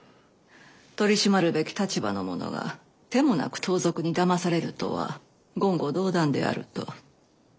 取り締まるべき立場の者が手もなく盗賊にだまされるとは言語道断であると。